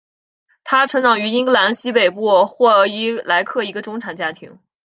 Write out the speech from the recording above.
她成长于英格兰西北部霍伊莱克一个中产家庭。